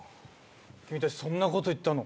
君達そんなこと言ったの？